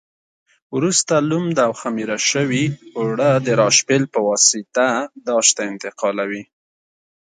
وروسته لمد او خمېره شوي اوړه د راشپېل په واسطه داش ته انتقالوي.